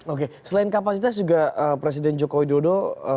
oke selain kapasitas juga presiden joko widodo